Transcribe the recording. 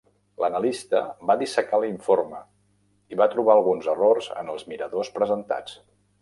L'analista va dissecar l'informe i va trobar alguns errors en els miradors presentats.